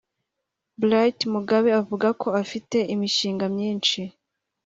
Bright Mugabe avuga ko afite imishinga myinshi